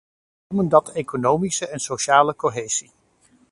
Wij noemen dat economische en sociale cohesie.